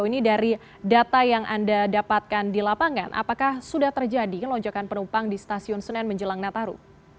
ini dari data yang anda dapatkan di lapangan apakah sudah terjadi lonjakan penumpang di stasiun senen menjelang nataru